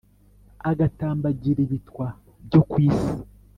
agatambagira ibitwa byo ku isi.